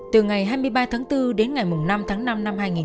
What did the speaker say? từ ngày hai mươi ba tháng bốn đến ngày năm tháng năm năm hai nghìn một mươi